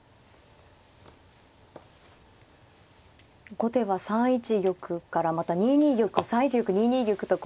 後手は３一玉からまた２二玉３一玉２二玉とこう。